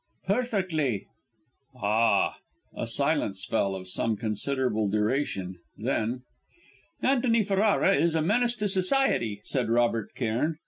"Perfectly." "Ah!" A silence fell, of some considerable duration, then: "Antony Ferrara is a menace to society," said Robert Cairn.